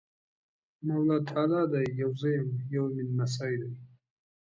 مولا تالی دی! يو زه یم، یو مې نمسی دی۔